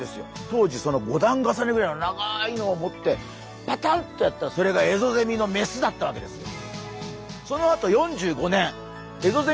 当時その５段重ねぐらいの長いのを持ってパタンとやったらそれがエゾゼミのメスだったわけですよ。